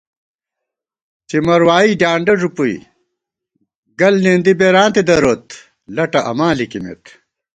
څِمر وائی ڈیانڈہ ݫُپَئی، گَل نېندِی بېرانتے دروت، لَٹہ اماں لِکِمېت